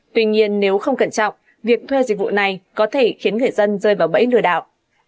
tuy nhiên nếu không cẩn trọng việc thuê dịch vụ này có thể khiến người dân rơi vào bẫy lừa đảo